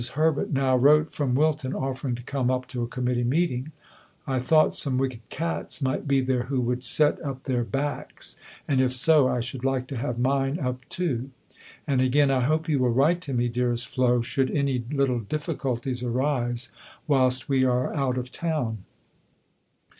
Herbert now wrote from Wilton, offering to come up to a committee meeting: "I thought some wicked cats might be there who would set up their backs; and if so, I should like to have mine up too." And, again: "I hope you will write to me, dearest Flo, should any little difficulties arise whilst we are out of town."